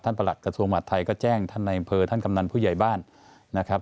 ประหลักกระทรวงมหาดไทยก็แจ้งท่านในอำเภอท่านกำนันผู้ใหญ่บ้านนะครับ